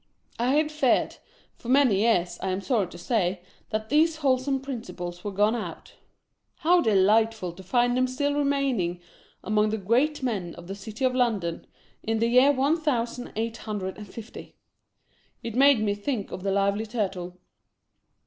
I had feared, for many years, I am sorry to say, that these whole some principles were gone out. How delightful to find them still remaining among the great men of the City of London, in the year one thousand eight hundred and fifty ! It made me think of the Lively Turtle.